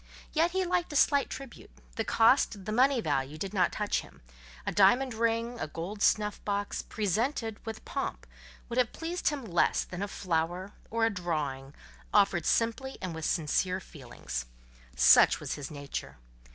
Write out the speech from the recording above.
Yet he liked a slight tribute; the cost, the money value, did not touch him: a diamond ring, a gold snuff box, presented, with pomp, would have pleased him less than a flower, or a drawing, offered simply and with sincere feelings. Such was his nature.